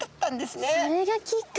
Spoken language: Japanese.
それがきっかけなんだ。